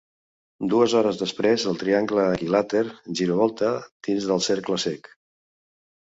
Dues hores després, el triangle equilàter giravolta dins del cercles cec.